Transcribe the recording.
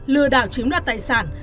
lừa đảo chiếm đoạt tài sản